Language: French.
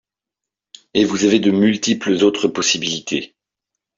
Et vous avez de multiples autres possibilités.